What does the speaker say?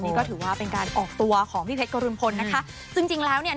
นี่ก็ถือว่าเป็นการออกตัวของพี่เพชรกรุณพลนะคะจริงจริงแล้วเนี่ย